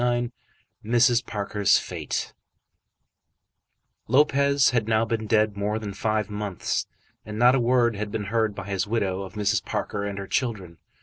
CHAPTER LXIX Mrs. Parker's Fate Lopez had now been dead more than five months, and not a word had been heard by his widow of Mrs. Parker and her children.